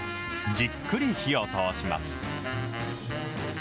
じっくり火を通します。